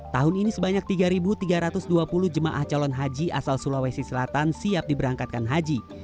tahun ini sebanyak tiga tiga ratus dua puluh jemaah calon haji asal sulawesi selatan siap diberangkatkan haji